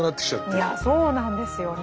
いやそうなんですよね。